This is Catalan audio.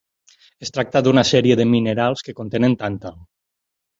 Es tracta d'una sèrie de minerals que contenen tàntal.